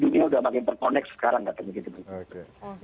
dunia udah makin terconnect sekarang